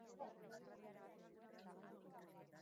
Lehen paper txinatarra kotoi-zuntzez egin zen.